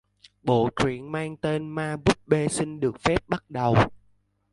Bộ truyện mang tên ma búp bê xin được phép bắt đầu